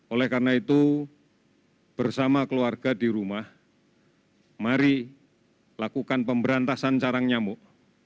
oleh karena itu bersama keluarga di rumah mari lakukan pemberantasan carang nyamuk